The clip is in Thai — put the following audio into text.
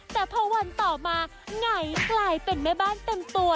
แต่พอวันต่อมาไงกลายเป็นแม่บ้านเต็มตัว